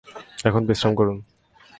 এখন বিশ্রাম করুন।